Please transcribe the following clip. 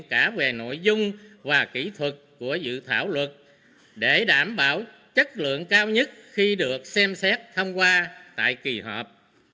cả về nội dung và kỹ thuật của dự thảo luật để đảm bảo chất lượng cao nhất khi được xem xét thông qua tại kỳ họp